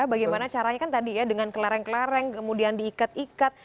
bagaimana caranya kan tadi ya dengan kelereng kelereng kemudian diikat ikat